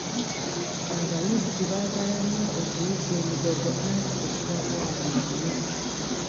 Abayizzi baagala nnyo okuyigga emigogo anti tegibatawaanya nnyo .